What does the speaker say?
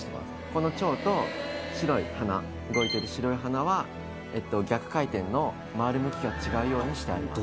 この蝶と白い花動いてる白い花は逆回転の回る向きが違うようにしてあります